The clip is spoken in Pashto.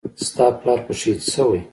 ستا پلار خو شهيد سوى.